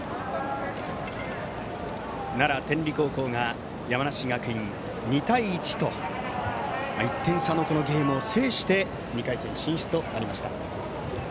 奈良・天理高校が山梨学院に２対１と１点差のゲームを制して２回戦進出となりました。